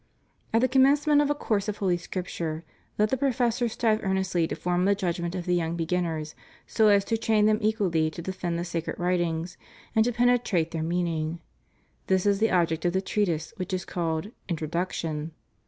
At the commencement of a course of Holy Scripture, let the professor strive earnestly to form the judgment of the young beginners so as to train them equally to defend the sacred writings and to penetrate their meaning. This is the object of the treatise which is called "Intro duction."